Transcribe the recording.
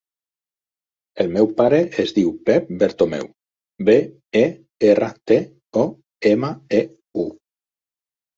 El meu pare es diu Pep Bertomeu: be, e, erra, te, o, ema, e, u.